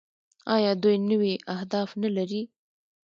آیا دوی نوي اهداف نلري؟